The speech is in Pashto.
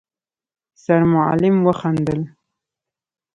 سرمعلم وخندل: